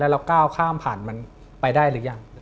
เราก้าวข้ามผ่านมันไปได้หรือยัง